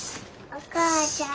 お母ちゃん？